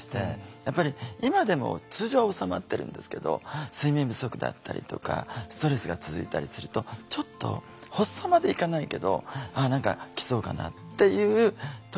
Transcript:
やっぱり今でも通常は治まってるんですけど睡眠不足だったりとかストレスが続いたりするとちょっと発作までいかないけど「あっ何か来そうかな」っていう時は来るんですよね。